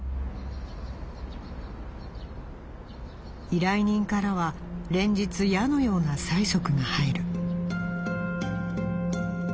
「依頼人からは連日矢のような催促が入る」。